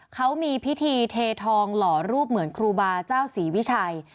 เขามีพิธีเททองหล่อรูปเหมือนครูบาเจ้าศรีวิชัย